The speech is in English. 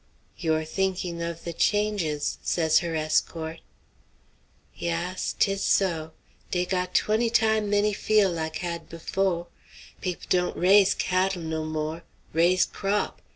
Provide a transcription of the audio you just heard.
"You're thinking of the changes," says her escort. "Yass; 'tis so. Dey got twenty time' many field' like had befo'. Peop' don't raise cattl' no more; raise crop'.